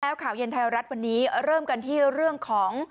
แล้วข่าวเย็นไทยรัฐวันนี้เริ่มกันที่เรื่องของ